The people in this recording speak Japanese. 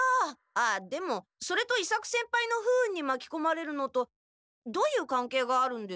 あっでもそれと伊作先輩の不運にまきこまれるのとどういうかんけいがあるんです？